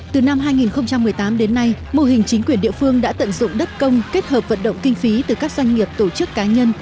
từ năm hai nghìn một mươi tám đến nay mô hình chính quyền địa phương đã tận dụng đất công kết hợp vận động kinh phí từ các doanh nghiệp tổ chức cá nhân